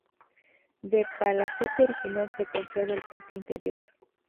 Del palacete original se conserva el patio interior.